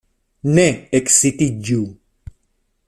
Ne ekcitiĝu!